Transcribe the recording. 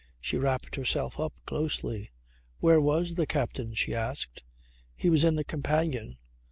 She wrapped herself up closely. "Where was the captain?" she asked. "He was in the companion.